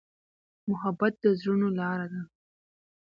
محبت د زړونو لاره ده.